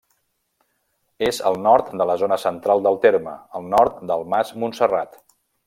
És al nord de la zona central del terme, al nord del Mas Montserrat.